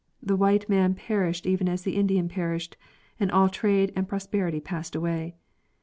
The white man perished even as the Indian perished, and all trade and pros perity passed away.